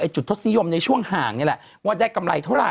ทศนิยมในช่วงห่างนี่แหละว่าได้กำไรเท่าไห